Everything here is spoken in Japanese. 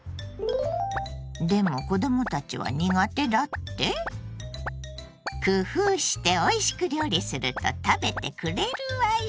でも子供たちは苦手だって⁉工夫しておいしく料理すると食べてくれるわよ！